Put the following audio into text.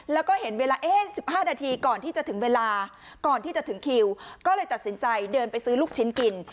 แล้วก็เห็นเวลา๑๕นาทีก่อนที่จะถึงเวลาก่อนที่จะถึงคิวก็เลยตัดสินใจเดินไปซื้อลูกชิ้นกิน